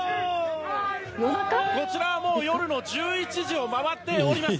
こちらはもう夜の１１時を回っております。